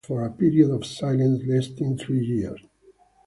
They then served as novices for a period of silence lasting three years.